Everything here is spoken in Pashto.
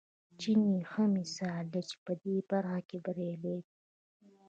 چین یې ښه مثال دی چې په دې برخه کې بریالی دی.